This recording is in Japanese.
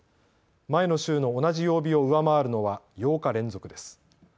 前の週の同じ曜日を上回るのは８日連続です。